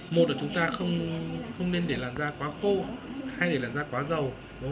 một là chúng ta không nên để làn da quá khô hay để làn da quá dầu